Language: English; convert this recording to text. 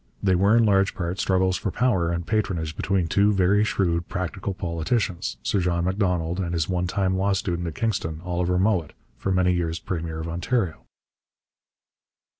They were in large part struggles for power and patronage between two very shrewd practical politicians, Sir John Macdonald and his one time law student at Kingston, Oliver Mowat, for many years premier of Ontario.